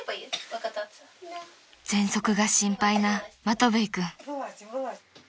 ［ぜんそくが心配なマトヴェイ君］